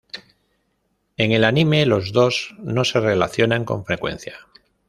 En el anime, los dos no se relacionan con frecuencia.